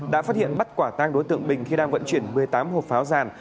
đã phát hiện bắt quả tang đối tượng bình khi đang vận chuyển một mươi tám hộp pháo giàn